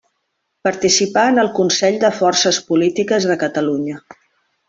Participà en el Consell de Forces Polítiques de Catalunya.